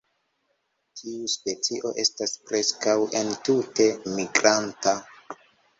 Tiu specio estas preskaŭ entute migranta.